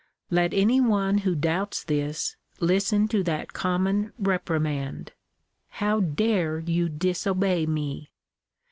Let any one who doubts this listen to that common reprimand " How dare you disobey me